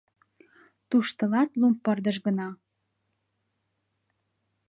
Туштылат лум пырдыж гына.